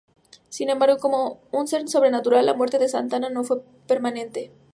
Sin embargo, como un ser sobrenatural, la muerte de Satana no fue permanente.